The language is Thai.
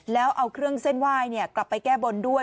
แล้วเอาเครื่องเส้นไหว้กลับไปแก้บนด้วย